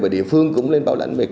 và địa phương cũng lên bảo lãnh mệnh